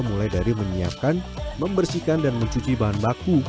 mulai dari menyiapkan membersihkan dan mencuci bahan baku